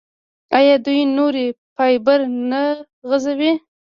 آیا دوی نوري فایبر نه غځوي؟